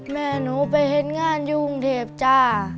แม่หนูไปเห็นงานอยู่กรุงเทพจ้า